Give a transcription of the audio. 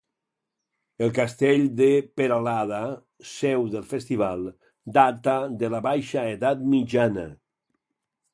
El Castell de Peralada, seu del Festival, data de la baixa edat mitjana.